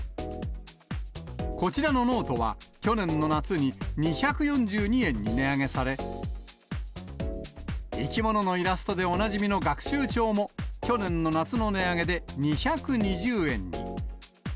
こちらのノートは、去年の夏に２４２円に値上げされ、生き物のイラストでおなじみの学習帳も、去年の夏の値上げで２２０円に。